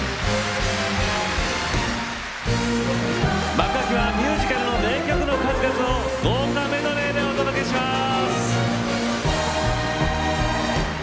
幕開きはミュージカルの名曲の数々を豪華メドレーでお届けします。